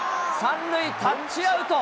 ３塁タッチアウト。